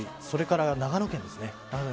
それから長野県です。